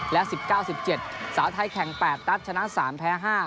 และสิบเก้าสิบเจ็ดสาวไทยแข่งแปดตั๊ดชนะสามแพ้ห้า